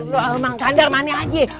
lo alamang candar mani aja